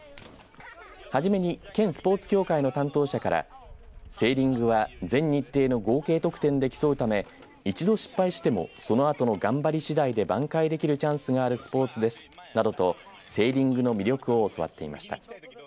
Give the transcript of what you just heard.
初めに県スポーツ協会の担当者からセーリングは全日程の合計得点で競うため一度失敗してもその後の頑張り次第で挽回できるチャンスがあるスポーツですなどとセーリングの魅力を教わっていました。